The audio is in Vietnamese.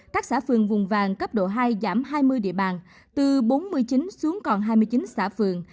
các xã phường vùng vàng cấp độ hai giảm hai mươi địa bàn từ bốn mươi chín xuống còn hai mươi chín xã phường